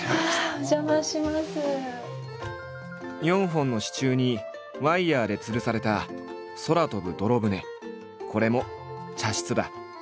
４本の支柱にワイヤーでつるされたこれも茶室だ。